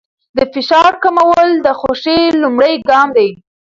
د فشار کمول د خوښۍ لومړی ګام دی.